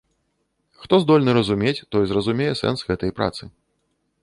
Хто здольны разумець, той зразумее сэнс гэтай працы.